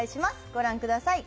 ご覧ください。